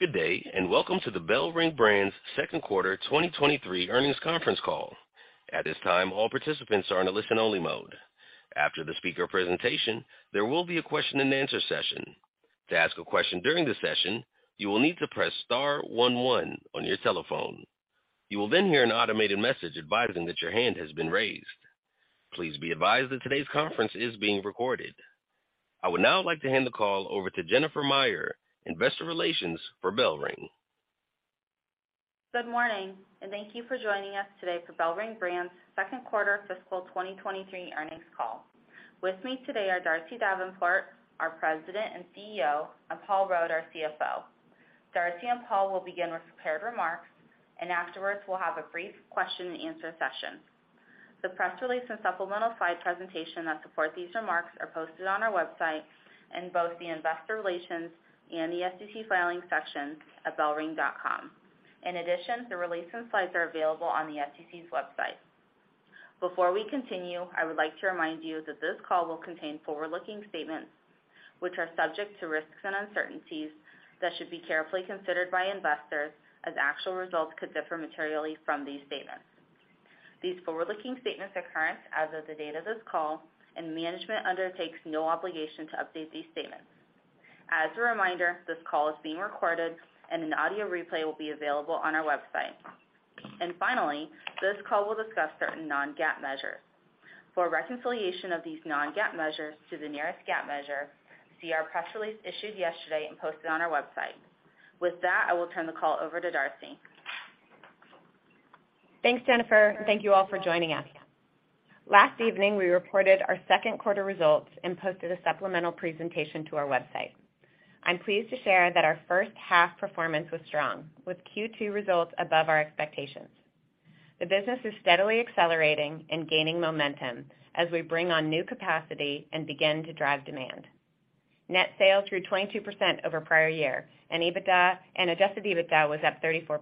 Good day, and welcome to the BellRing Brands second quarter 2023 earnings conference call. At this time, all participants are in a listen-only mode. After the speaker presentation, there will be a question-and-answer session. To ask a question during the session, you will need to press star one one on your telephone. You will then hear an automated message advising that your hand has been raised. Please be advised that today's conference is being recorded. I would now like to hand the call over to Jennifer Meyer, Investor Relations for BellRing. Good morning, and thank you for joining us today for BellRing Brands second quarter fiscal 2023 earnings call. With me today are Darcy Davenport, our President and CEO, and Paul Rode, our CFO. Darcy and Paul will begin with prepared remarks. Afterwards, we'll have a brief question-and-answer session. The press release and supplemental slide presentation that support these remarks are posted on our website in both the Investor Relations and the SEC filings sections at bellring.com. In addition, the release and slides are available on the SEC's website. Before we continue, I would like to remind you that this call will contain forward-looking statements which are subject to risks and uncertainties that should be carefully considered by investors, as actual results could differ materially from these statements. These forward-looking statements are current as of the date of this call. Management undertakes no obligation to update these statements. As a reminder, this call is being recorded, an audio replay will be available on our website. Finally, this call will discuss certain non-GAAP measures. For a reconciliation of these non-GAAP measures to the nearest GAAP measure, see our press release issued yesterday and posted on our website. With that, I will turn the call over to Darcy. Thanks, Jennifer. Thank you all for joining us. Last evening, we reported our second quarter results and posted a supplemental presentation to our website. I'm pleased to share that our first half performance was strong, with Q2 results above our expectations. The business is steadily accelerating and gaining momentum as we bring on new capacity and begin to drive demand. Net sales grew 22% over prior year, and EBITDA and adjusted EBITDA was up 34%.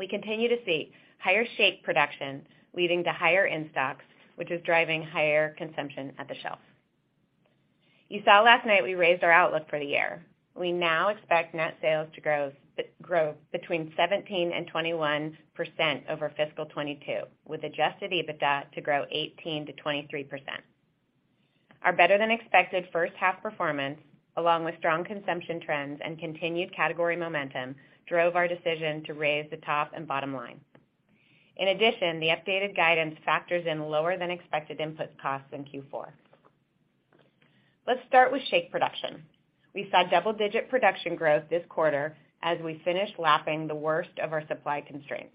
We continue to see higher shake production leading to higher in-stocks, which is driving higher consumption at the shelf. You saw last night we raised our outlook for the year. We now expect net sales to grow between 17% and 21% over fiscal 2022, with adjusted EBITDA to grow 18%-23%. Our better-than-expected first half performance, along with strong consumption trends and continued category momentum, drove our decision to raise the top and bottom line. The updated guidance factors in lower than expected input costs in Q4. Let's start with shake production. We saw double-digit production growth this quarter as we finished lapping the worst of our supply constraints.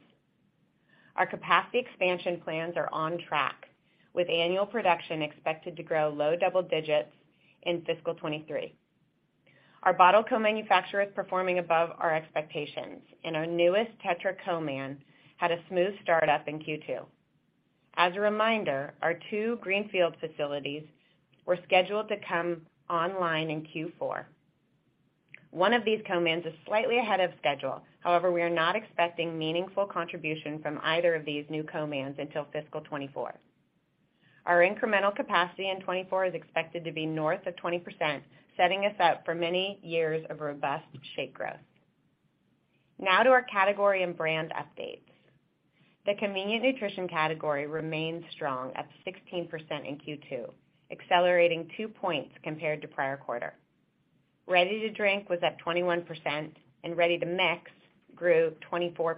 Our capacity expansion plans are on track, with annual production expected to grow low double digits in fiscal 2023. Our bottle co-manufacturer is performing above our expectations, and our newest Tetra co-man had a smooth startup in Q2. As a reminder, our two greenfield facilities were scheduled to come online in Q4. One of these co-mans is slightly ahead of schedule. We are not expecting meaningful contribution from either of these new co-mans until fiscal 2024. Our incremental capacity in 2024 is expected to be north of 20%, setting us up for many years of robust shake growth. Now to our category and brand updates. The convenient nutrition category remains strong at 16% in Q2, accelerating two points compared to prior quarter. Ready to drink was at 21%, and ready to mix grew 24%.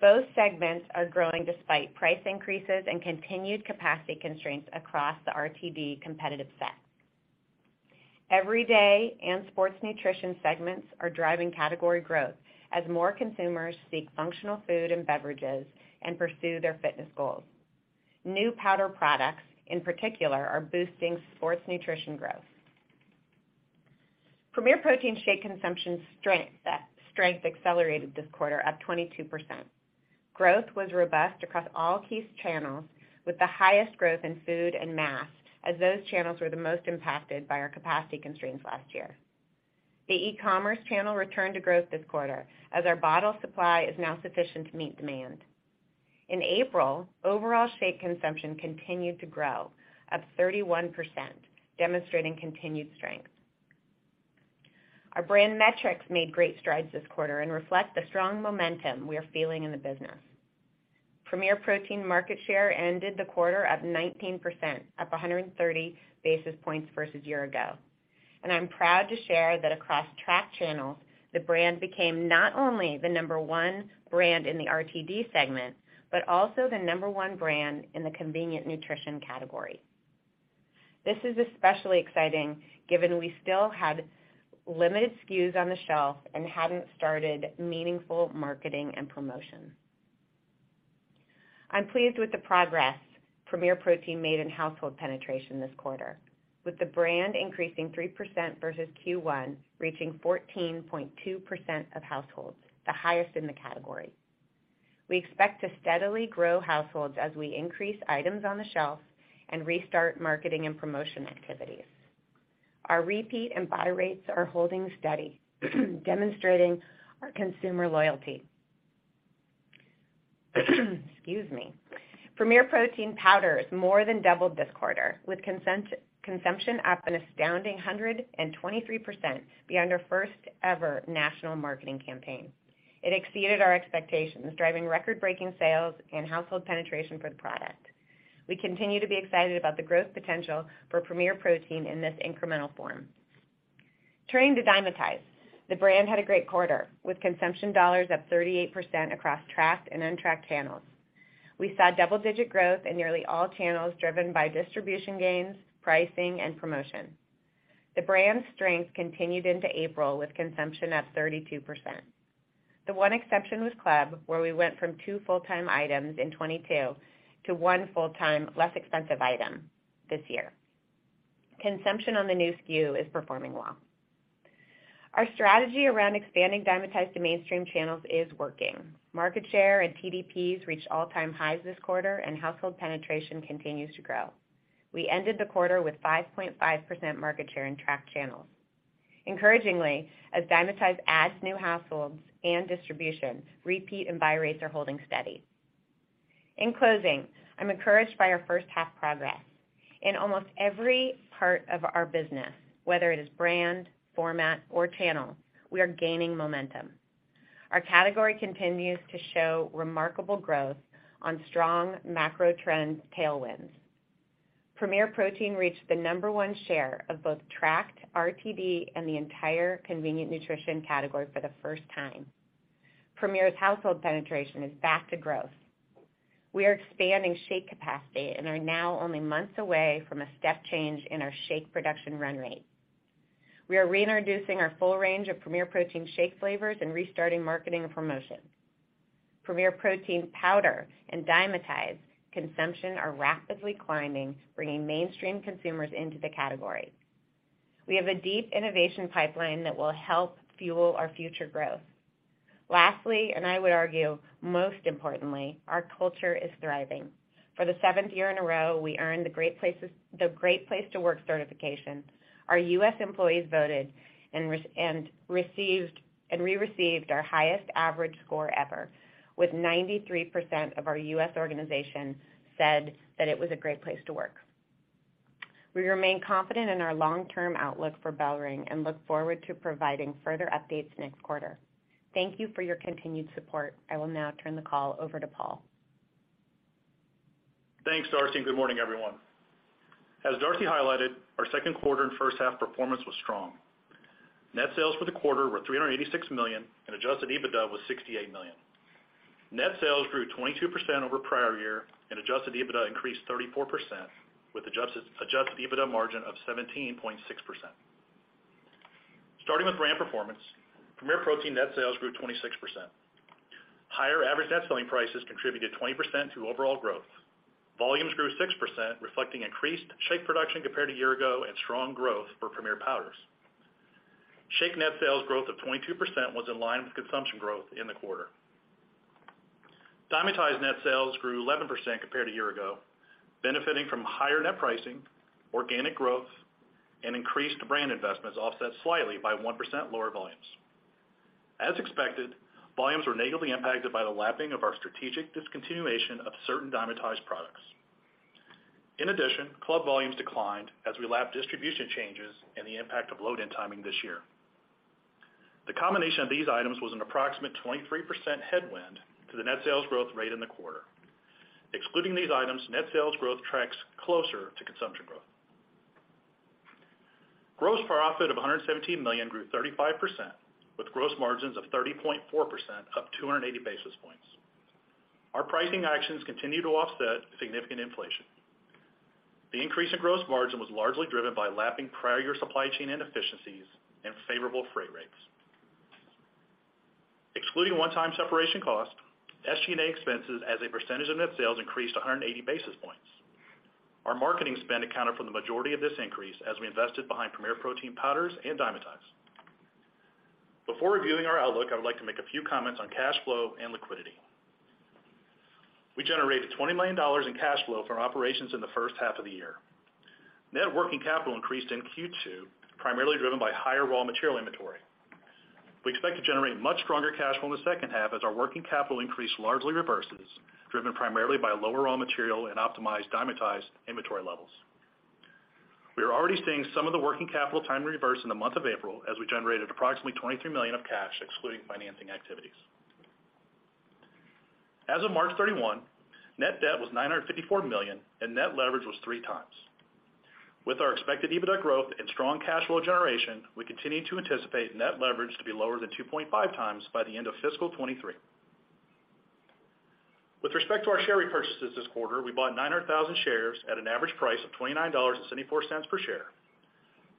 Both segments are growing despite price increases and continued capacity constraints across the RTD competitive set. Everyday and sports nutrition segments are driving category growth as more consumers seek functional food and beverages and pursue their fitness goals. New powder products, in particular, are boosting sports nutrition growth. Premier Protein shake consumption strength accelerated this quarter, up 22%. Growth was robust across all key channels, with the highest growth in food and mass, as those channels were the most impacted by our capacity constraints last year. The e-commerce channel returned to growth this quarter as our bottle supply is now sufficient to meet demand. In April, overall shake consumption continued to grow, up 31%, demonstrating continued strength. Our brand metrics made great strides this quarter and reflect the strong momentum we are feeling in the business. Premier Protein market share ended the quarter up 19%, up 130 basis points versus year ago. I'm proud to share that across track channels, the brand became not only the number one brand in the RTD segment, but also the number one brand in the convenient nutrition category. This is especially exciting given we still had limited SKUs on the shelf and hadn't started meaningful marketing and promotion. I'm pleased with the progress Premier Protein made in household penetration this quarter, with the brand increasing 3% versus Q1, reaching 14.2% of households, the highest in the category. We expect to steadily grow households as we increase items on the shelf and restart marketing and promotion activities. Our repeat and buy rates are holding steady, demonstrating our consumer loyalty. Excuse me. Premier Protein powders more than doubled this quarter, with consumption up an astounding 123% behind our first ever national marketing campaign. It exceeded our expectations, driving record-breaking sales and household penetration for the product. We continue to be excited about the growth potential for Premier Protein in this incremental form. Turning to Dymatize. The brand had a great quarter, with consumption dollars up 38% across tracked and untracked channels. We saw double-digit growth in nearly all channels, driven by distribution gains, pricing, and promotion. The brand's strength continued into April with consumption up 32%. The one exception was club, where we went from two full-time items in 2022 to one full-time, less expensive item this year. Consumption on the new SKU is performing well. Our strategy around expanding Dymatize to mainstream channels is working. Market share and TDPs reached all-time highs this quarter, and household penetration continues to grow. We ended the quarter with 5.5% market share in tracked channels. Encouragingly, as Dymatize adds new households and distributions, repeat and buy rates are holding steady. In closing, I'm encouraged by our first half progress. In almost every part of our business, whether it is brand, format, or channel, we are gaining momentum. Our category continues to show remarkable growth on strong macro trend tailwinds. Premier Protein reached the number one share of both tracked RTD and the entire convenient nutrition category for the first time. Premier's household penetration is back to growth. We are expanding shake capacity and are now only months away from a step change in our shake production run rate. We are reintroducing our full range of Premier Protein shake flavors and restarting marketing and promotion. Premier Protein powder and Dymatize consumption are rapidly climbing, bringing mainstream consumers into the category. We have a deep innovation pipeline that will help fuel our future growth. Lastly, I would argue most importantly, our culture is thriving. For the seventh year in a row, we earned the Great Place to Work certification. Our U.S. employees voted and received our highest average score ever, with 93% of our U.S. organization said that it was a great place to work. We remain confident in our long-term outlook for BellRing and look forward to providing further updates next quarter. Thank you for your continued support. I will now turn the call over to Paul. Thanks, Darcy. Good morning, everyone. As Darcy highlighted, our second quarter and first half performance was strong. Net sales for the quarter were $386 million, adjusted EBITDA was $68 million. Net sales grew 22% over prior year, adjusted EBITDA increased 34% with adjusted EBITDA margin of 17.6%. Starting with brand performance, Premier Protein net sales grew 26%. Higher average net selling prices contributed 20% to overall growth. Volumes grew 6%, reflecting increased shake production compared to a year ago and strong growth for Premier powders. Shake net sales growth of 22% was in line with consumption growth in the quarter. Dymatize net sales grew 11% compared to a year ago, benefiting from higher net pricing, organic growth, and increased brand investments offset slightly by 1% lower volumes. As expected, volumes were negatively impacted by the lapping of our strategic discontinuation of certain Dymatize products. In addition, club volumes declined as we lapped distribution changes and the impact of load-in timing this year. The combination of these items was an approximate 23% headwind to the net sales growth rate in the quarter. Excluding these items, net sales growth tracks closer to consumption growth. Gross profit of $117 million grew 35%, with gross margins of 30.4% up 280 basis points. Our pricing actions continue to offset significant inflation. The increase in gross margin was largely driven by lapping prior year supply chain inefficiencies and favorable freight rates. Excluding one-time separation costs, SG&A expenses as a percentage of net sales increased 180 basis points. Our marketing spend accounted for the majority of this increase as we invested behind Premier Protein powders and Dymatize. Before reviewing our outlook, I would like to make a few comments on cash flow and liquidity. We generated $20 million in cash flow from operations in the first half of the year. Net working capital increased in Q2, primarily driven by higher raw material inventory. We expect to generate much stronger cash flow in the second half as our working capital increase largely reverses, driven primarily by lower raw material and optimized Dymatize inventory levels. We are already seeing some of the working capital time reverse in the month of April, as we generated approximately $23 million of cash excluding financing activities. As of March 31, net debt was $954 million, and net leverage was 3x. With our expected EBITDA growth and strong cash flow generation, we continue to anticipate net leverage to be lower than 2.5x by the end of fiscal 2023. With respect to our share repurchases this quarter, we bought 900,000 shares at an average price of $29.74 per share.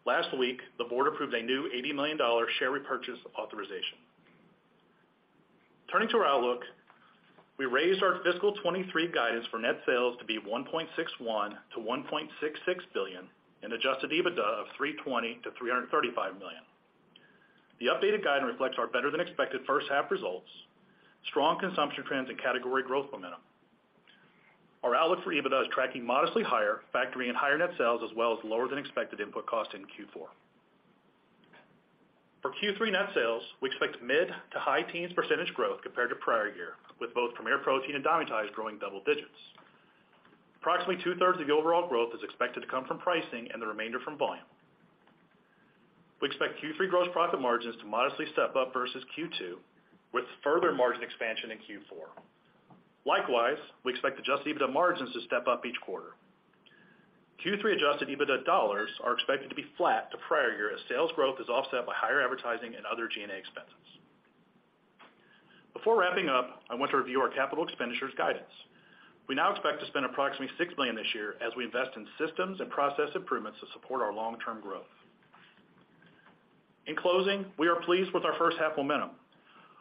Last week, the Board approved a new $80 million share repurchase authorization. Turning to our outlook, we raised our fiscal 2023 guidance for net sales to be $1.61 billion-$1.66 billion and adjusted EBITDA of $320 million-$335 million. The updated guidance reflects our better than expected first half results, strong consumption trends, and category growth momentum. Our outlook for EBITDA is tracking modestly higher, factoring in higher net sales as well as lower than expected input costs in Q4. For Q3 net sales, we expect mid-to-high teens percentage growth compared to prior year, with both Premier Protein and Dymatize growing double-digits. Approximately 2/3 of the overall growth is expected to come from pricing and the remainder from volume. We expect Q3 gross profit margins to modestly step up versus Q2, with further margin expansion in Q4. Likewise, we expect adjusted EBITDA margins to step up each quarter. Q3 adjusted EBITDA dollars are expected to be flat to prior year as sales growth is offset by higher advertising and other G&A expenses. Before wrapping up, I want to review our capital expenditures guidance. We now expect to spend approximately $6 million this year as we invest in systems and process improvements to support our long-term growth. In closing, we are pleased with our first half momentum.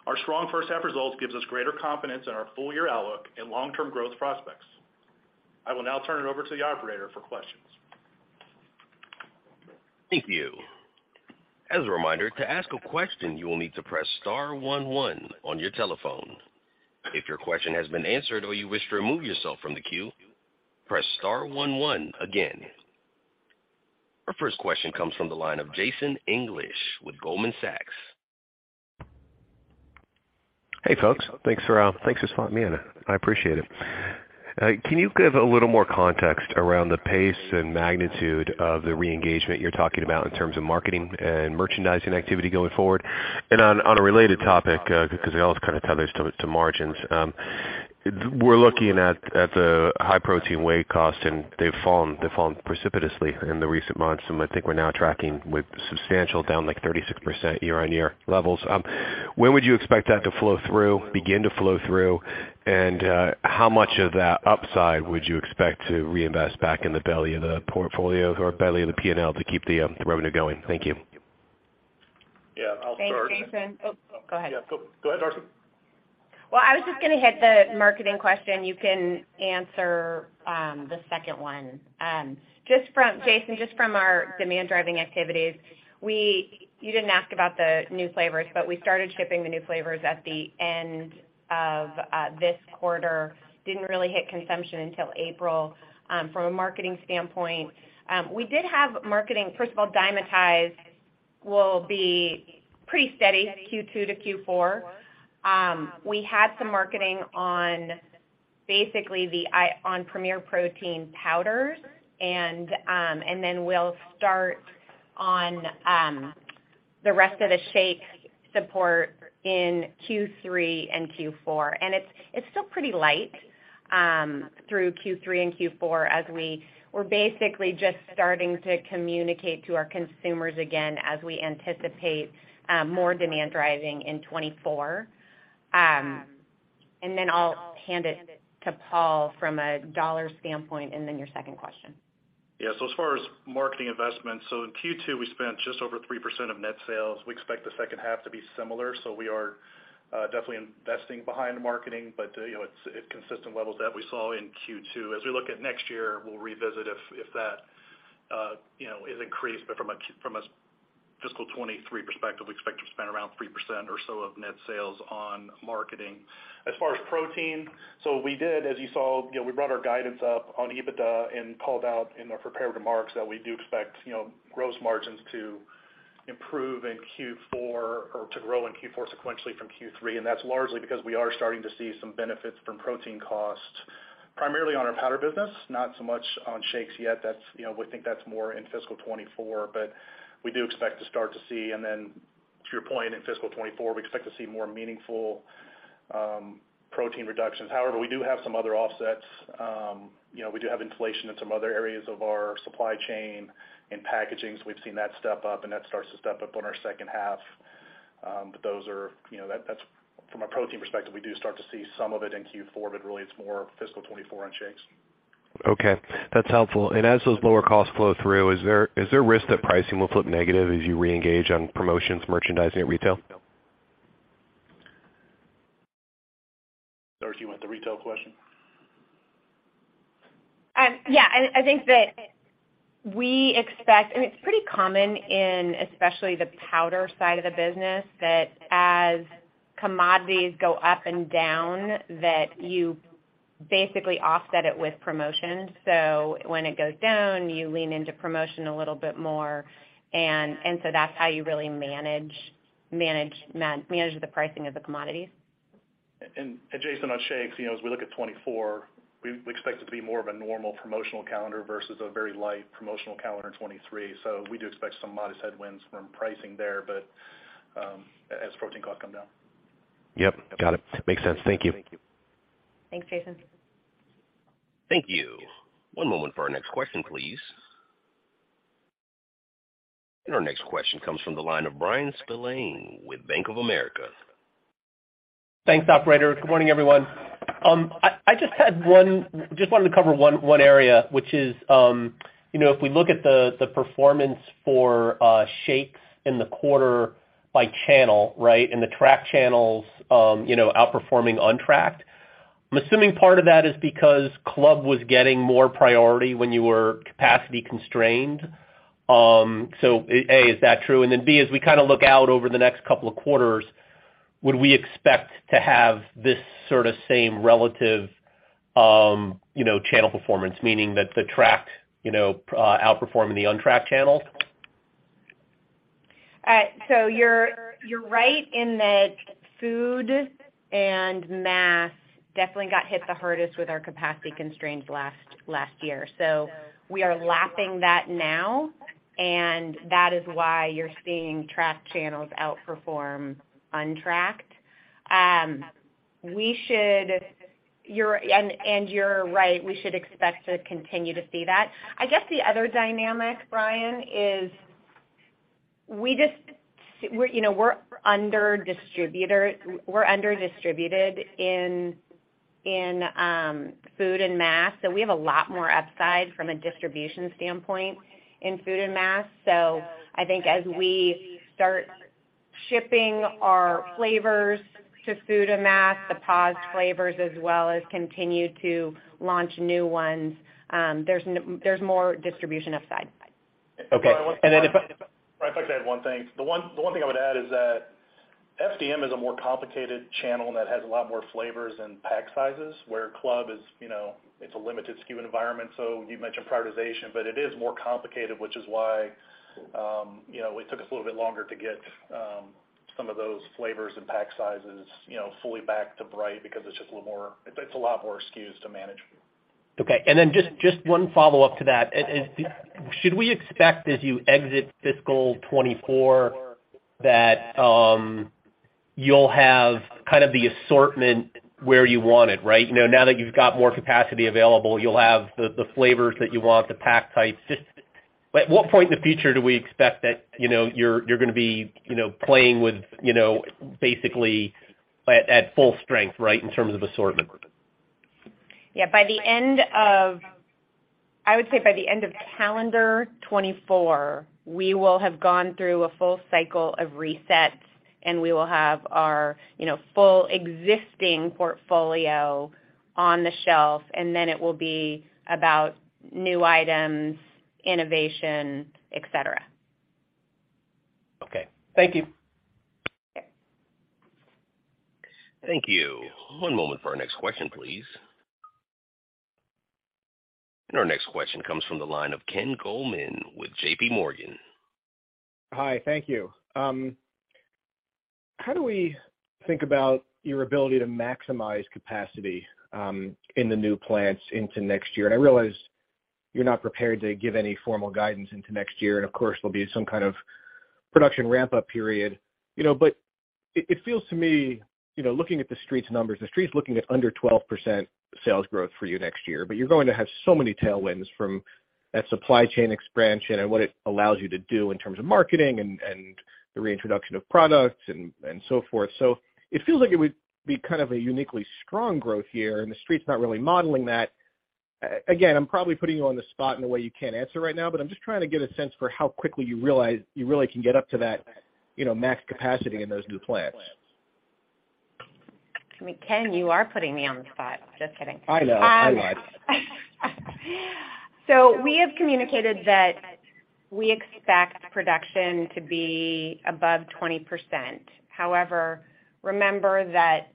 Our strong first half results gives us greater confidence in our full year outlook and long-term growth prospects. I will now turn it over to the operator for questions. Thank you. As a reminder, to ask a question, you will need to press star one one on your telephone. If your question has been answered or you wish to remove yourself from the queue, press star one one again. Our first question comes from the line of Jason English with Goldman Sachs. Hey, folks. Thanks for thanks for spotting me in. I appreciate it. Can you give a little more context around the pace and magnitude of the re-engagement you're talking about in terms of marketing and merchandising activity going forward? On a related topic, because it all kind of tethers to margins, we're looking at the high protein whey cost, and they've fallen precipitously in the recent months. I think we're now tracking with substantial down like 36% year-on-year levels. When would you expect that to flow through, begin to flow through? How much of that upside would you expect to reinvest back in the belly of the portfolio or belly of the P&L to keep the revenue going? Thank you. Yeah, I'll start. Thanks, Jason. Oh, go ahead. Yeah, go ahead, Darcy. Well, I was just gonna hit the marketing question. You can answer the second one. Just from Jason, just from our demand driving activities, you didn't ask about the new flavors, but we started shipping the new flavors at the end of this quarter. Didn't really hit consumption until April. From a marketing standpoint, we did have marketing. First of all, Dymatize will be pretty steady, Q2 to Q4. We had some marketing on basically Premier Protein powders and then we'll start on the rest of the shake support in Q3 and Q4. It's still pretty light through Q3 and Q4 as we're basically just starting to communicate to our consumers again as we anticipate more demand driving in 2024. I'll hand it to Paul from a U.S. dollar standpoint and then your second question. As far as marketing investments, in Q2, we spent just over 3% of net sales. We expect the second half to be similar, we are definitely investing behind marketing. You know, it's at consistent levels that we saw in Q2. As we look at next year, we'll revisit if that, you know, is increased. From a fiscal 2023 perspective, we expect to spend around 3% or so of net sales on marketing. As far as protein, we did as you saw, you know, we brought our guidance up on EBITDA and called out in our prepared remarks that we do expect, you know, gross margins to improve in Q4 or to grow in Q4 sequentially from Q3. That's largely because we are starting to see some benefits from protein costs, primarily on our powder business, not so much on shakes yet. That's, you know, we think that's more in fiscal 2024, but we do expect to start to see. To your point, in fiscal 2024, we expect to see more meaningful protein reductions. However, we do have some other offsets. You know, we do have inflation in some other areas of our supply chain. In packaging, we've seen that step up, and that starts to step up on our second half. Those are, you know, that's from a protein perspective, we do start to see some of it in Q4, but really it's more fiscal 2024 on shakes. Okay. That's helpful. As those lower costs flow through, is there risk that pricing will flip negative as you reengage on promotions merchandising at retail? Darcy, you want the retail question? Yeah. I think that we expect, and it's pretty common in especially the powder side of the business, that as commodities go up and down, that you basically offset it with promotions. When it goes down, you lean into promotion a little bit more and so that's how you really manage the pricing of the commodities. Jason, on shakes, you know, as we look at 2024, we expect it to be more of a normal promotional calendar versus a very light promotional calendar in 2023. We do expect some modest headwinds from pricing there, but as protein costs come down. Yep, got it. Makes sense. Thank you. Thanks, Jason. Thank you. One moment for our next question, please. Our next question comes from the line of Bryan Spillane with Bank of America. Thanks, operator. Good morning, everyone. I just wanted to cover one area, which is, you know, if we look at the performance for shakes in the quarter by channel, right? The track channels, you know, outperforming untracked. I'm assuming part of that is because club was getting more priority when you were capacity constrained. So A, is that true? Then B, as we kinda look out over the next couple of quarters, would we expect to have this sort of same relative, you know, channel performance, meaning that the tracked, you know, outperforming the untracked channels? You're, you're right in that food and mass definitely got hit the hardest with our capacity constraints last year. We are lapping that now, and that is why you're seeing tracked channels outperform untracked. You're right, we should expect to continue to see that. I guess the other dynamic, Bryan, is we just, you know, we're under distributed in food and mass, so we have a lot more upside from a distribution standpoint in food and mass. I think as we start shipping our flavors to food and mass, the paused flavors as well as continue to launch new ones, there's more distribution upside. Okay. Bryan, if I could add one thing. The one thing I would add is that SDM is a more complicated channel and that has a lot more flavors and pack sizes, where club is, you know, it's a limited SKU environment. You've mentioned prioritization, but it is more complicated, which is why, you know, it took us a little bit longer to get some of those flavors and pack sizes, you know, fully back to bright because it's just a little more. It's a lot more SKUs to manage. Okay, just one follow-up to that. Should we expect as you exit fiscal 2024 that you'll have kind of the assortment where you want it, right? You know, now that you've got more capacity available, you'll have the flavors that you want, the pack types. Just, at what point in the future do we expect that, you know, you're gonna be, you know, playing with, you know, basically at full strength, right, in terms of assortment? Yeah. By the end of. I would say by the end of calendar 2024, we will have gone through a full cycle of resets, and we will have our, you know, full existing portfolio on the shelf, and then it will be about new items, innovation, et cetera. Okay. Thank you. Okay. Thank you. One moment for our next question, please. Our next question comes from the line of Ken Goldman with JP Morgan. Hi. Thank you. How do we think about your ability to maximize capacity in the new plants into next year? I realize you're not prepared to give any formal guidance into next year, and of course, there'll be some kind of production ramp-up period. You know, but it feels to me, you know, looking at The Street's numbers, The Street's looking at under 12% sales growth for you next year, but you're going to have so many tailwinds from that supply chain expansion and what it allows you to do in terms of marketing and the reintroduction of products and so forth. It feels like it would be kind of a uniquely strong growth year, and The Street's not really modeling that. Again, I'm probably putting you on the spot in a way you can't answer right now, but I'm just trying to get a sense for how quickly you realize you really can get up to that, you know, max capacity in those new plants. I mean, Ken, you are putting me on the spot. Just kidding. I know. I lied. We have communicated that we expect production to be above 20%. However, remember that,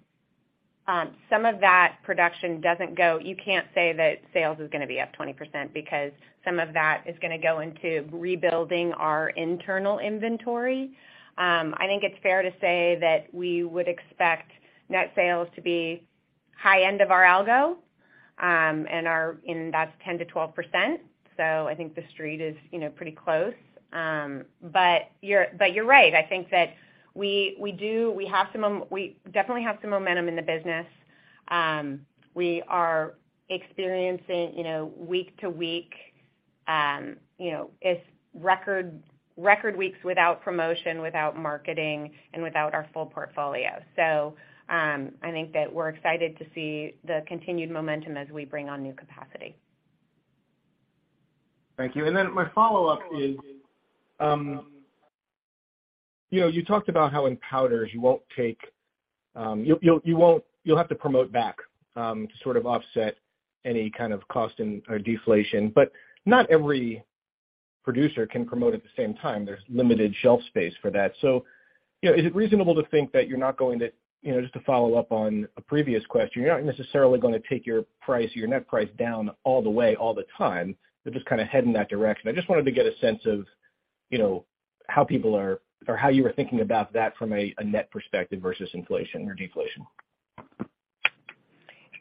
some of that production doesn't go. You can't say that sales is gonna be up 20% because some of that is gonna go into rebuilding our internal inventory. I think it's fair to say that we would expect net sales to be high end of our algorithm, and that's 10%-12%. I think The Street is, you know, pretty close. But you're right. I think that we do. We definitely have some momentum in the business. We are experiencing, you know, week to week, you know, it's record weeks without promotion, without marketing, and without our full portfolio. I think that we're excited to see the continued momentum as we bring on new capacity. Thank you. My follow-up is, you know, you talked about how in powders you won't take. You'll have to promote back to sort of offset any kind of cost or deflation. Not every producer can promote at the same time. There's limited shelf space for that. You know, is it reasonable to think that you're not going to, you know, just to follow up on a previous question, you're not necessarily gonna take your price, your net price down all the way all the time, but just kinda head in that direction. I just wanted to get a sense of, you know, how people are or how you are thinking about that from a net perspective versus inflation or deflation.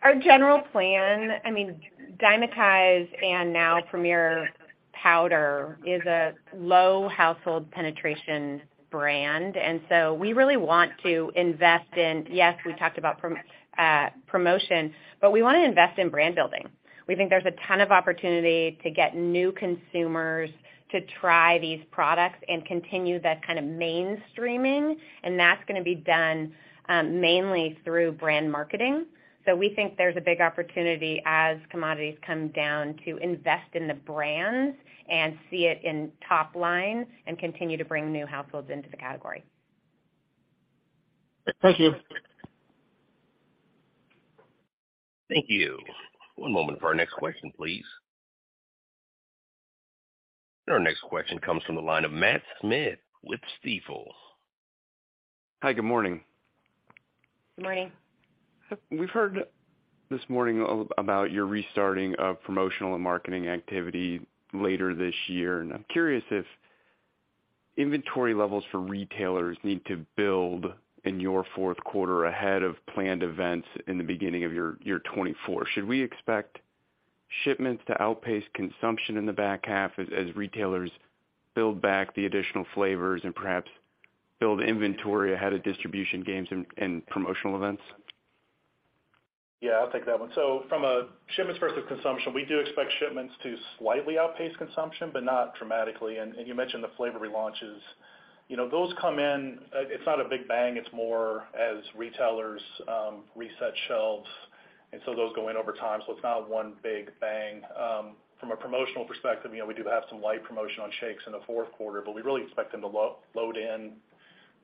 Our general plan, I mean, Dymatize and now Premier Powder is a low household penetration brand. Yes, we talked about promotion, but we wanna invest in brand building. We think there's a ton of opportunity to get new consumers to try these products and continue that kind of mainstreaming, and that's gonna be done mainly through brand marketing. We think there's a big opportunity as commodities come down to invest in the brands and see it in top line and continue to bring new households into the category. Thank you. Thank you. One moment for our next question, please. Our next question comes from the line of Matt Smith with Stifel. Hi, good morning. Good morning. We've heard this morning about your restarting of promotional and marketing activity later this year. I'm curious if inventory levels for retailers need to build in your fourth quarter ahead of planned events in the beginning of your year 2024. Should we expect shipments to outpace consumption in the back half as retailers build back the additional flavors and perhaps build inventory ahead of distribution gains and promotional events? Yeah, I'll take that one. From a shipments versus consumption, we do expect shipments to slightly outpace consumption, but not dramatically. You mentioned the flavor relaunches. You know, it's not a big bang, it's more as retailers reset shelves, those go in over time. It's not one big bang. From a promotional perspective, you know, we do have some light promotion on shakes in the fourth quarter, but we really expect them to load in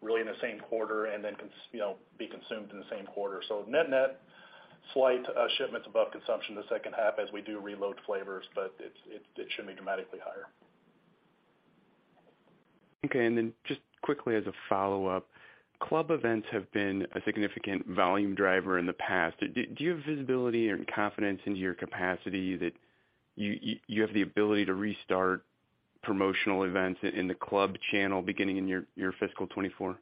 really in the same quarter and then you know, be consumed in the same quarter. Net-net, slight shipments above consumption in the second half as we do reload flavors, but it shouldn't be dramatically higher. Okay. Then just quickly as a follow-up, club events have been a significant volume driver in the past. Do you have visibility or confidence into your capacity that you have the ability to restart promotional events in the club channel beginning in your fiscal 2024?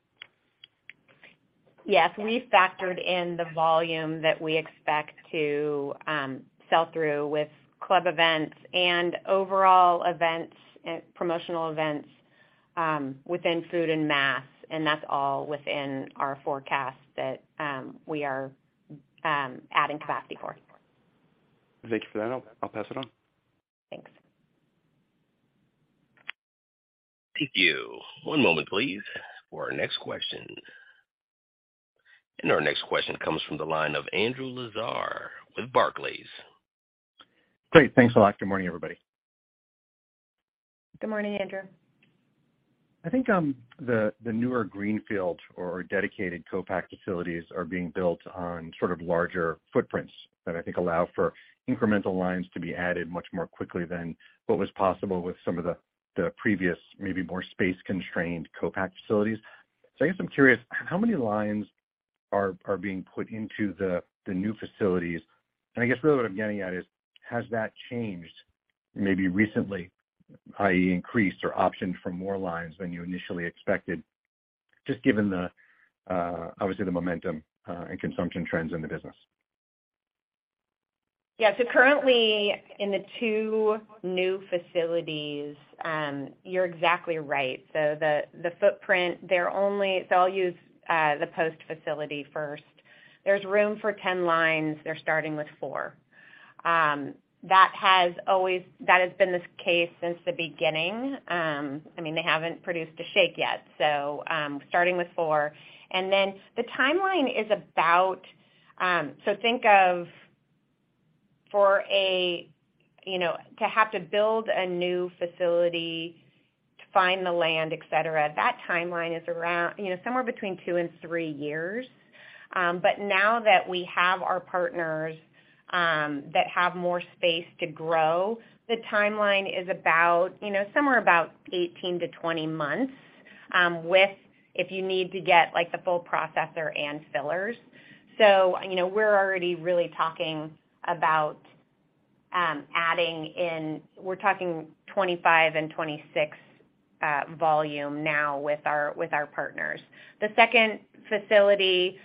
Yes. We factored in the volume that we expect to sell through with club events and overall events and promotional events within food and mass, and that's all within our forecast that we are adding capacity for. Thank you for that. I'll pass it on. Thanks. Thank you. One moment, please, for our next question. Our next question comes from the line of Andrew Lazar with Barclays. Great. Thanks a lot. Good morning, everybody. Good morning, Andrew. I think, the newer greenfield or dedicated co-pack facilities are being built on sort of larger footprints that I think allow for incremental lines to be added much more quickly than what was possible with some of the previous, maybe more space-constrained co-pack facilities. I guess I'm curious how many lines are being put into the new facilities. I guess really what I'm getting at is has that changed maybe recently, i.e., increased or optioned for more lines than you initially expected, just given the obviously the momentum and consumption trends in the business? Currently in the two new facilities, you're exactly right. The, the footprint, they're only. I'll use the Post facility first. There's room for 10 lines. They're starting with four. That has always been the case since the beginning. I mean, they haven't produced a shake yet, so starting with four. The timeline is about, so think of for a, you know, to have to build a new facility, to find the land, et cetera, that timeline is around, you know, somewhere between two and three years. Now that we have our partners, that have more space to grow, the timeline is about, you know, somewhere about 18-20 months, with if you need to get like the full processor and fillers. You know, we're already really talking about. We're talking 25 and 26 volume now with our partners. The second facility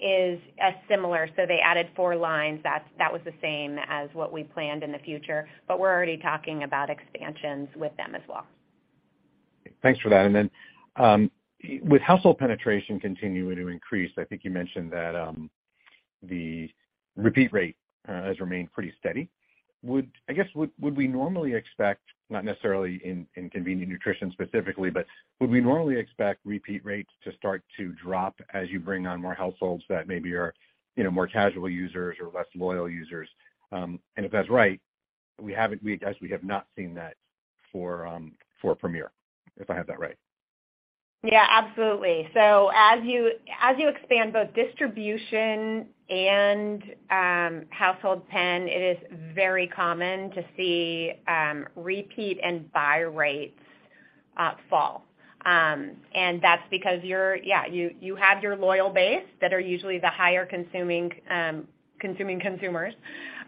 is as similar. They added four lines. That was the same as what we planned in the future, but we're already talking about expansions with them as well. Thanks for that. With household penetration continuing to increase, I think you mentioned that the repeat rate has remained pretty steady. I guess, would we normally expect, not necessarily in convenient nutrition specifically, but would we normally expect repeat rates to start to drop as you bring on more households that maybe are, you know, more casual users or less loyal users? If that's right, we haven't I guess we have not seen that for Premier, if I have that right. Absolutely. As you expand both distribution and household pen, it is very common to see repeat and buy rates fall. And that's because Yeah, you have your loyal base that are usually the higher consuming consumers.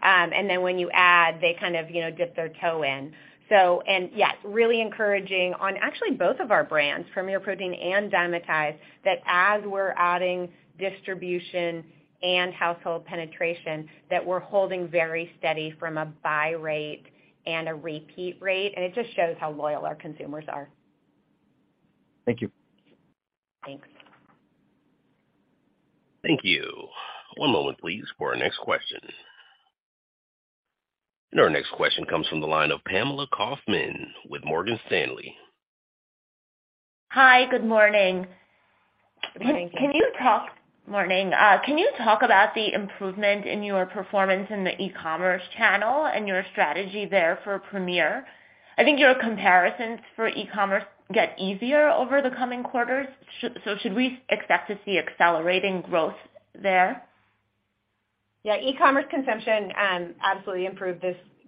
When you add, they kind of, you know, dip their toe in. Yes, really encouraging on actually both of our brands, Premier Protein and Dymatize, that as we're adding distribution and household penetration, that we're holding very steady from a buy rate and a repeat rate. It just shows how loyal our consumers are. Thank you. Thanks. Thank you. One moment please for our next question. Our next question comes from the line of Pamela Kaufman with Morgan Stanley. Hi, good morning. Good morning. Morning. Can you talk about the improvement in your performance in the e-commerce channel and your strategy there for Premier? I think your comparisons for e-commerce get easier over the coming quarters. Should we expect to see accelerating growth there? Yeah, e-commerce consumption absolutely improved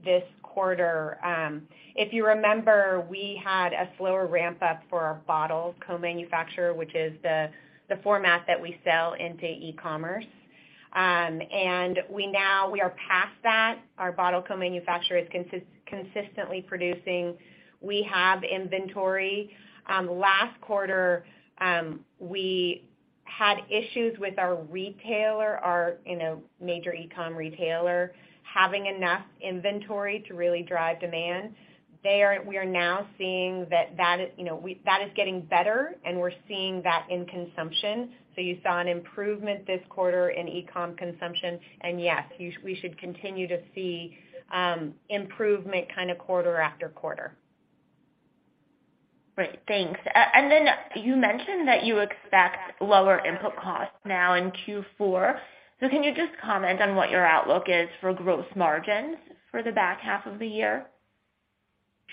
this quarter. If you remember, we had a slower ramp up for our bottle co-manufacturer, which is the format that we sell into e-commerce. We are past that. Our bottle co-manufacturer is consistently producing. We have inventory. Last quarter, we had issues with our retailer, our, you know, major e-com retailer, having enough inventory to really drive demand. We are now seeing that that is, you know, that is getting better and we're seeing that in consumption. You saw an improvement this quarter in e-com consumption. Yes, we should continue to see improvement kind of quarter after quarter. Great. Thanks. Then you mentioned that you expect lower input costs now in Q4. Can you just comment on what your outlook is for gross margins for the back half of the year?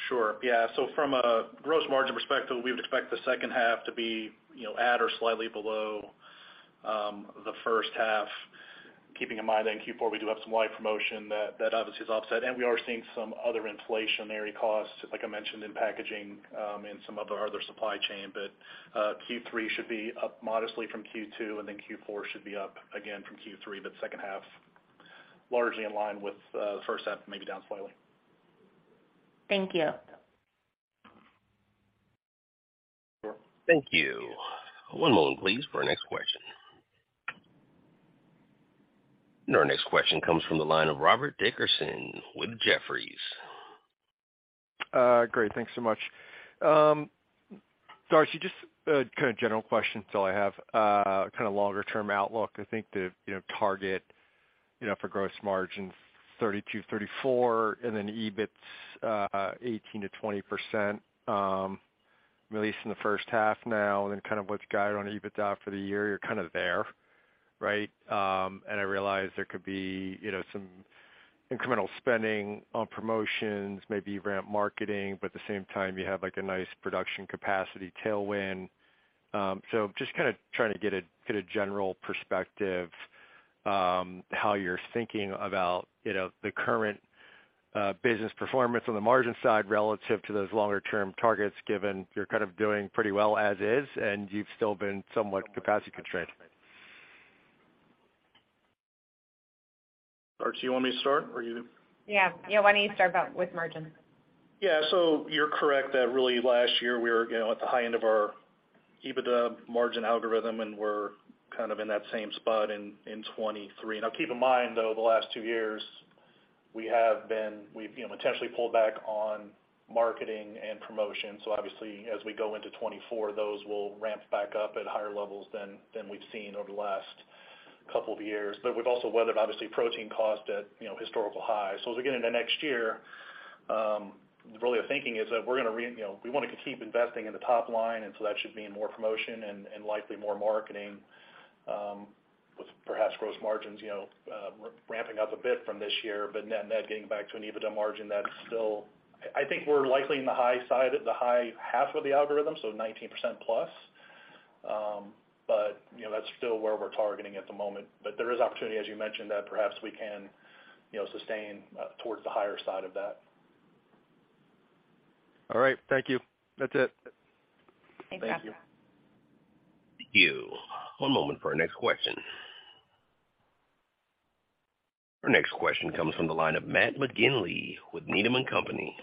Sure. Yeah. From a gross margin perspective, we would expect the second half to be, you know, at or slightly below the first half, keeping in mind that in Q4 we do have some wide promotion that obviously is offset. We are seeing some other inflationary costs, like I mentioned, in packaging and some of our other supply chain. Q3 should be up modestly from Q2, Q4 should be up again from Q3, second half largely in line with the first half, maybe down slightly. Thank you. Thank you. One moment please for our next question. Our next question comes from the line of Robert Dickerson with Jefferies. Great. Thanks so much. Darcy, just a kind of general question is all I have. Kind of longer term outlook, I think the, you know, target, you know, for gross margin 32%, 34%, and then EBIT's, 18%-20%, released in the first half now and then kind of what you guided on EBITDA for the year, you're kind of there, right? I realize there could be, you know, some incremental spending on promotions, maybe ramp marketing, but at the same time you have like a nice production capacity tailwind. Just kinda trying to get a, get a general perspective, how you're thinking about, you know, the current business performance on the margin side relative to those longer term targets, given you're kind of doing pretty well as is and you've still been somewhat capacity constrained? Darcy, you want me to start or you? Yeah. Yeah. Why don't you start with margins? You're correct that really last year we were, you know, at the high end of our EBITDA margin algorithm, and we're kind of in that same spot in 2023. Now keep in mind though, the last two years we've, you know, intentionally pulled back on marketing and promotion. Obviously as we go into 2024, those will ramp back up at higher levels than we've seen over the last couple of years. But we've also weathered obviously protein costs at, you know, historical highs. As we get into next year, really the thinking is that we're gonna, you know, we wanna keep investing in the top line and that should mean more promotion and likely more marketing, with perhaps gross margins, you know, ramping up a bit from this year. Net net getting back to an EBITDA margin that's still, I think we're likely in the high side of the high half of the algorithm, so 19%+. You know, that's still where we're targeting at the moment. There is opportunity as you mentioned, that perhaps we can, you know, sustain towards the higher side of that. All right. Thank you. That's it. Thanks, Robert. Thank you. Thank you. One moment for our next question. Our next question comes from the line of Matt McGinley with Needham & Company.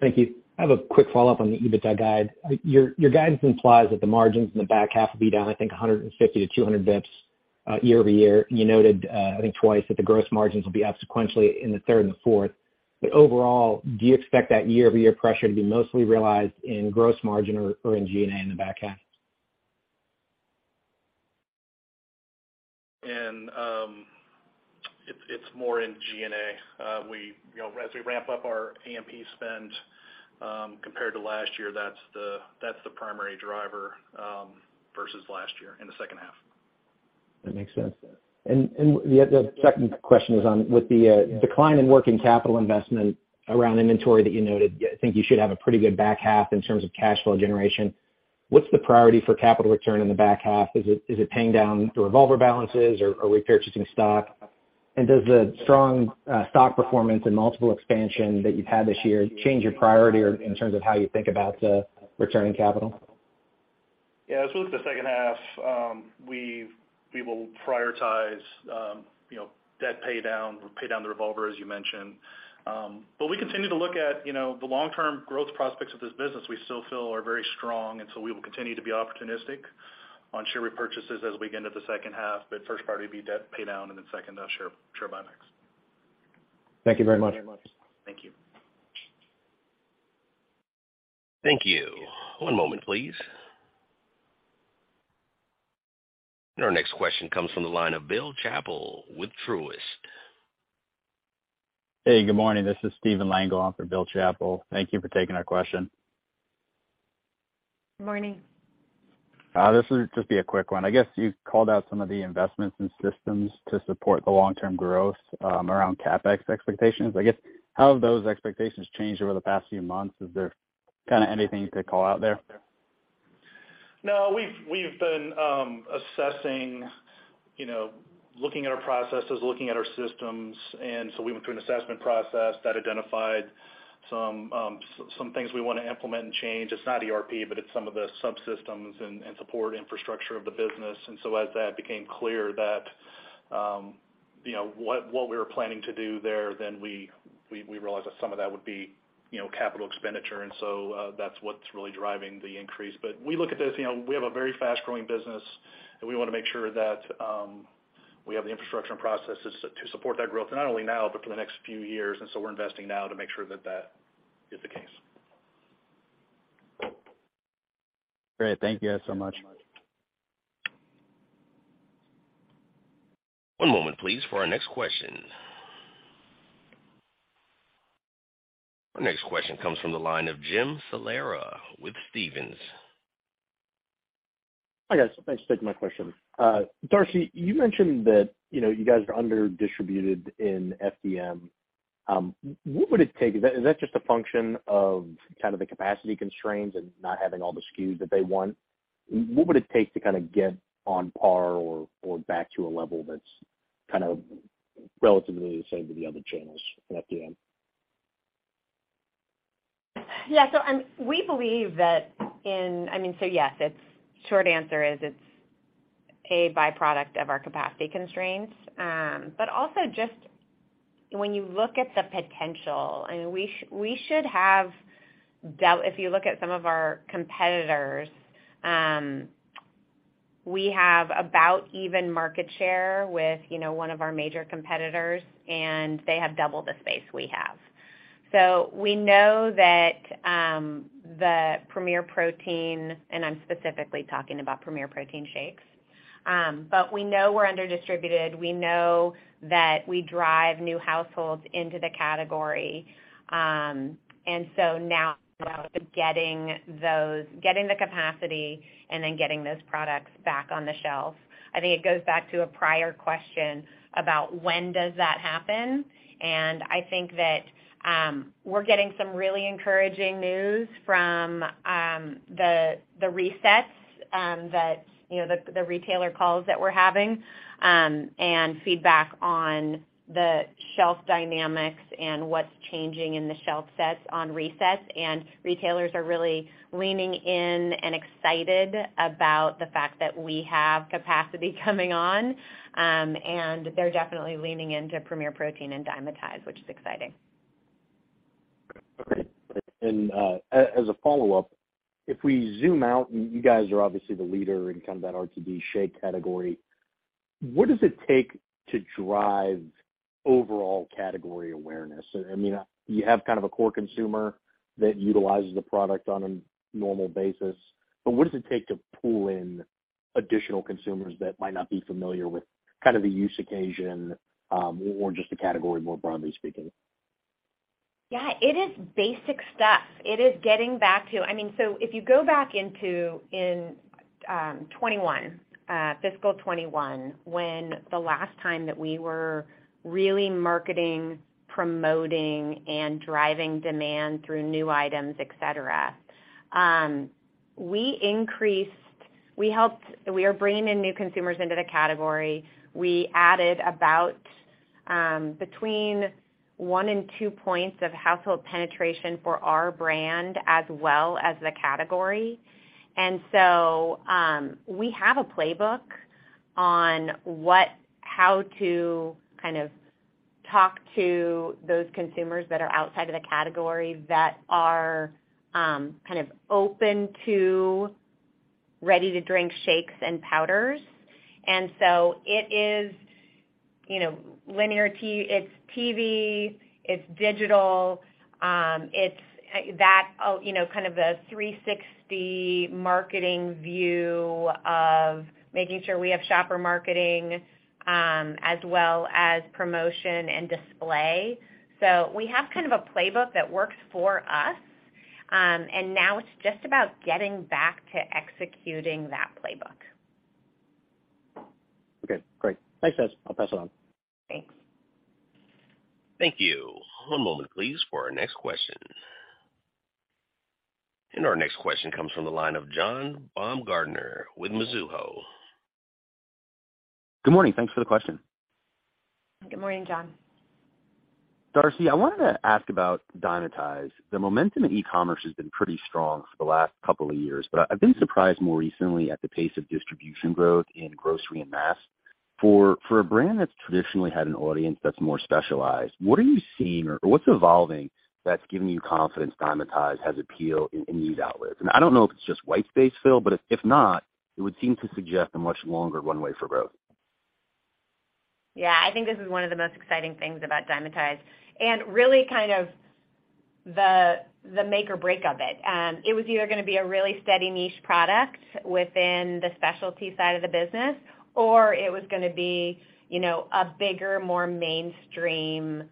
Thank you. I have a quick follow-up on the EBITDA guide. Your guidance implies that the margins in the back half will be down, I think 150-200 basis points year-over-year. You noted, I think twice that the gross margins will be up sequentially in the third and the fourth. Overall, do you expect that year-over-year pressure to be mostly realized in gross margin or in G&A in the back half? In, it's more in G&A. We, you know, as we ramp up our A&P spend, compared to last year, that's the primary driver, versus last year in the second half. That makes sense. The second question is on with the decline in working capital investment around inventory that you noted, I think you should have a pretty good back half in terms of cash flow generation. What's the priority for capital return in the back half? Is it paying down the revolver balances or repurchasing stock? Does the strong stock performance and multiple expansion that you've had this year change your priority or in terms of how you think about returning capital? Yeah. As we look at the second half, we will prioritize, you know, debt pay down. We'll pay down the revolver, as you mentioned. We continue to look at, you know, the long-term growth prospects of this business we still feel are very strong. We will continue to be opportunistic on share repurchases as we get into the second half. First priority will be debt pay down and then second share buybacks. Thank you very much. Thank you. Thank you. One moment, please. Our next question comes from the line of Bill Chappell with Truist. Hey, good morning. This is Stephen Lengel on for Bill Chappell. Thank you for taking our question. Morning. This will just be a quick one. I guess you called out some of the investments in systems to support the long-term growth, around CapEx expectations. I guess how have those expectations changed over the past few months? Is there anything you could call out there? No, we've been assessing, you know, looking at our processes, looking at our systems. We went through an assessment process that identified some things we wanna implement and change. It's not ERP, but it's some of the subsystems and support infrastructure of the business. As that became clear that, you know, what we were planning to do there, then we realized that some of that would be, you know, capital expenditure. That's what's really driving the increase. We look at this, you know, we have a very fast-growing business, and we wanna make sure that, we have the infrastructure and processes to support that growth, and not only now, but for the next few years. We're investing now to make sure that that is the case. Great. Thank you guys so much. One moment please for our next question. Our next question comes from the line of Jim Salera with Stephens. Hi guys. Thanks for taking my question. Darcy, you mentioned that, you know, you guys are under distributed in FDM. What would it take? Is that just a function of kind of the capacity constraints and not having all the SKUs that they want? What would it take to kinda get on par or back to a level that's kind of relatively the same to the other channels in FDM? Yeah. I mean, so yes, its short answer is it's a byproduct of our capacity constraints. Also just when you look at the potential, if you look at some of our competitors, we have about even market share with, you know, one of our major competitors, and they have double the space we have. We know that the Premier Protein, and I'm specifically talking about Premier Protein shakes. We know we're under distributed. We know that we drive new households into the category. Now getting those, getting the capacity and then getting those products back on the shelf. I think it goes back to a prior question about when does that happen. I think that we're getting some really encouraging news from the resets, that, you know, the retailer calls that we're having, and feedback on the shelf dynamics and what's changing in the shelf sets on resets. Retailers are really leaning in and excited about the fact that we have capacity coming on. They're definitely leaning into Premier Protein and Dymatize, which is exciting. Okay. As a follow-up, if we zoom out and you guys are obviously the leader in kind of that RTD shake category, what does it take to drive overall category awareness? I mean, you have kind of a core consumer that utilizes the product on a normal basis, but what does it take to pull in additional consumers that might not be familiar with kind of the use occasion, or just the category more broadly speaking? It is basic stuff. It is getting back to. I mean, if you go back into, in fiscal 2021 when the last time that we were really marketing, promoting, and driving demand through new items, et cetera, we increased. We helped. We are bringing in new consumers into the category. We added about between one and two points of household penetration for our brand as well as the category. We have a playbook on how to kind of talk to those consumers that are outside of the category that are kind of open to ready-to-drink shakes and powders. It is, you know, linear, it's TV, it's digital, it's that, you know, kind of the 360 marketing view of making sure we have shopper marketing, as well as promotion and display. We have kind of a playbook that works for us, and now it's just about getting back to executing that playbook. Okay, great. Thanks, guys. I'll pass it on. Thanks. Thank you. One moment, please, for our next question. Our next question comes from the line of John Baumgartner with Mizuho. Good morning. Thanks for the question. Good morning, John. Darcy, I wanted to ask about Dymatize. The momentum in e-commerce has been pretty strong for the last couple of years, but I've been surprised more recently at the pace of distribution growth in grocery and mass. For a brand that's traditionally had an audience that's more specialized, what are you seeing or what's evolving that's giving you confidence Dymatize has appeal in these outlets? I don't know if it's just white space fill, but if not, it would seem to suggest a much longer runway for growth. Yeah. I think this is one of the most exciting things about Dymatize. Really kind of the make or break of it. It was either gonna be a really steady niche product within the specialty side of the business, or it was gonna be, you know, a bigger, more mainstream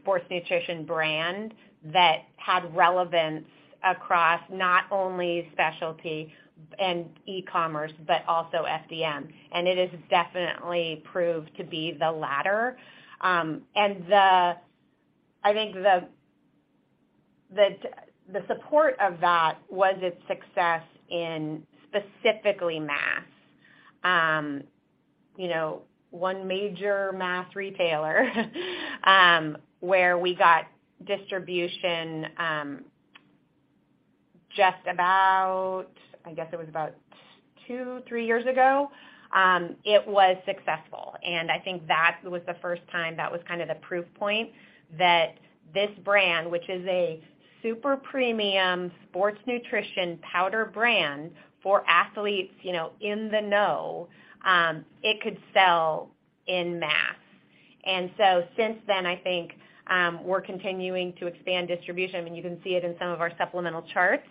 sports nutrition brand that had relevance across not only specialty and e-commerce, but also FDM. It has definitely proved to be the latter. The support of that was its success in specifically mass. You know, one major mass retailer, where we got distribution, just about, I guess it was about two, three years ago, it was successful. I think that was the first time that was kind of the proof point that this brand, which is a super premium sports nutrition powder brand for athletes, you know, in the know, it could sell in mass. Since then, I think, we're continuing to expand distribution. I mean, you can see it in some of our supplemental charts.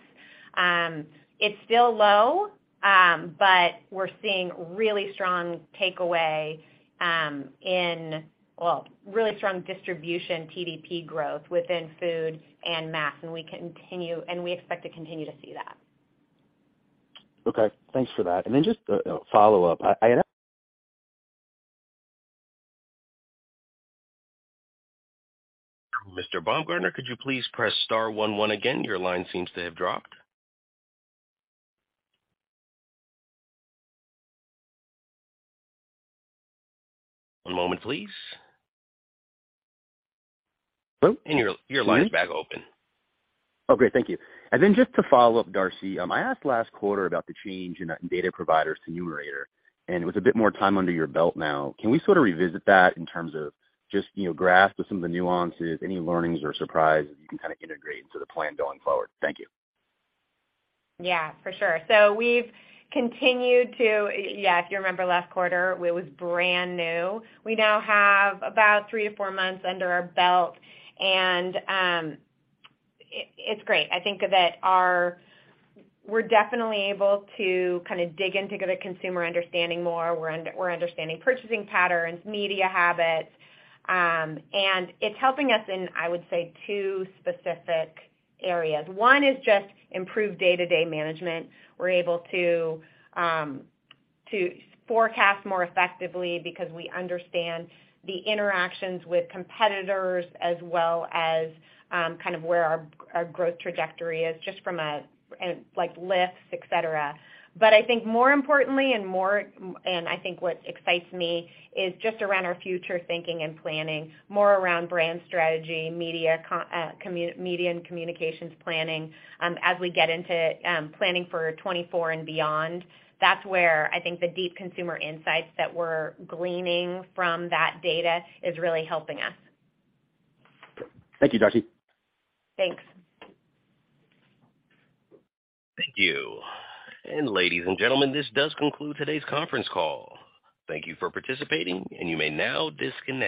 It's still low, but we're seeing really strong takeaway in, Well, really strong distribution TDP growth within food and mass, and we expect to continue to see that. Okay. Thanks for that. Then just a follow-up. Mr. Baumgartner, could you please press star one one again? Your line seems to have dropped. One moment please. Hello? Your line's back open. Great. Thank you. Then just to follow up, Darcy, I asked last quarter about the change in data providers to Numerator. With a bit more time under your belt now, can we sort of revisit that in terms of just, you know, grasp of some of the nuances, any learnings or surprises you can kind of integrate into the plan going forward? Thank you. Yeah, for sure. We've continued to. Yeah, if you remember last quarter, it was brand new. We now have about three to four months under our belt, and it's great. I think that our. We're definitely able to kinda dig into the consumer understanding more. We're understanding purchasing patterns, media habits, and it's helping us in, I would say, two specific areas. One is just improved day-to-day management. We're able to forecast more effectively because we understand the interactions with competitors as well as kind of where our growth trajectory is just from a, like, lifts, et cetera. I think more importantly and more... I think what excites me is just around our future thinking and planning, more around brand strategy, media comm, media and communications planning, as we get into planning for 2024 and beyond. That's where I think the deep consumer insights that we're gleaning from that data is really helping us. Thank you, Darcy. Thanks. Thank you. Ladies and gentlemen, this does conclude today's conference call. Thank you for participating, and you may now disconnect.